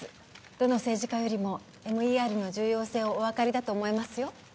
どの政治家よりもＭＥＲの重要性をお分かりだと思いますよ